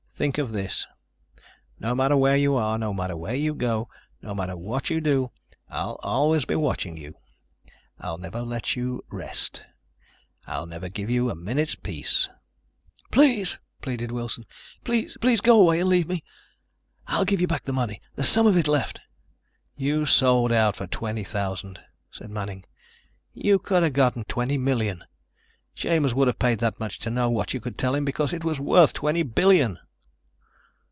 "Think of this. No matter where you are, no matter where you go, no matter what you do, I'll always be watching you, I'll never let you rest. I'll never give you a minute's peace." "Please," pleaded Wilson. "Please, go away and leave me. I'll give you back the money ... there's some of it left." "You sold out for twenty thousand," said Manning. "You could have gotten twenty million. Chambers would have paid that much to know what you could tell him, because it was worth twenty billion."